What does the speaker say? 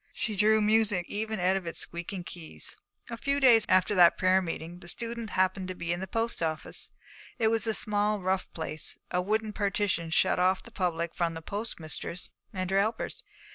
She drew music even out of its squeaking keys. A few days after that prayer meeting the student happened to be in the post office. It was a small, rough place; a wooden partition shut off the public from the postmistress and her helpers.